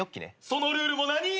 そのルールも何？